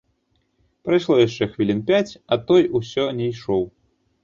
Прайшло яшчэ хвілін пяць, а той усё не ішоў.